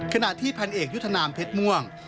ขณะที่พันเอกยุทธนามเพชรม่วง